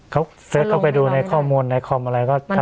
เขาเซ็กเขาไปดูในข้อมูลในคอมอะไรก็ทำอะไรไม่ได้